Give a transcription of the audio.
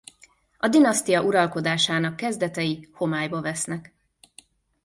A dinasztia uralkodásának kezdetei homályba vesznek.